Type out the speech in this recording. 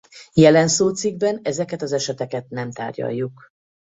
Jelen szócikkben ezeket az eseteket nem tárgyaljuk.